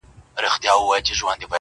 تر لحده به دي ستړی زکندن وي!